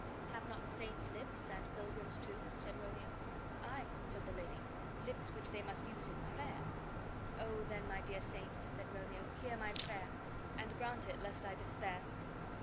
"Have not saints lips, and pilgrims, too?" said Romeo. "Aye," said the lady, "lips which they must use in prayer." "Oh, then, my dear saint," said Romeo, "hear my prayer, and grant it, lest I despair."